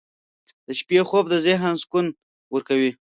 • د شپې خوب د ذهن سکون ورکوي.